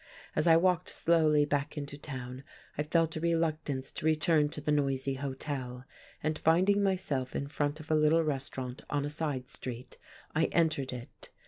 As I walked slowly back into town I felt a reluctance to return to the noisy hotel, and finding myself in front of a little restaurant on a side street, I entered it.